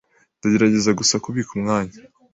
Ndagerageza gusa kubika umwanya.